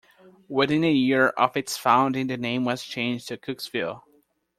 Within a year of its founding the name was changed to Cooksville.